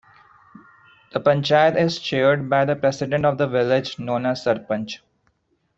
The panchayat is chaired by the president of the village, known as a Sarpanch.